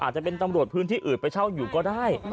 อาจจะเป็นตำรวจพื้นที่อื่นไปเช่าอยู่ก็ได้